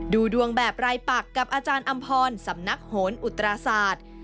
ดูดวงแบบรายปักกับอาจารย์อำพรสำนักโหนอุตราศาสตร์